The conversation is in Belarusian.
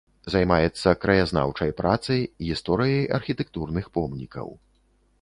Займаецца краязнаўчай працай, гісторыяй архітэктурных помнікаў.